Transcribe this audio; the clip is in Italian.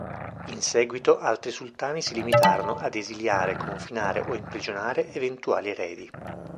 In seguito altri sultani si limitarono ad esiliare, confinare o imprigionare eventuali eredi.